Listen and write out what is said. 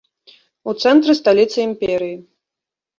У цэнтры сталіцы імперыі.